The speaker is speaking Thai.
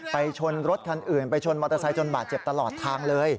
ชนรถคันอื่นไปชนมอเตอร์ไซค์จนบาดเจ็บตลอดทางเลย